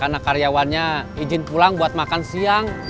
karena karyawannya izin pulang buat makan siang